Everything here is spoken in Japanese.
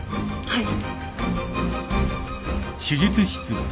はい。